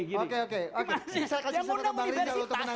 yang undang universitas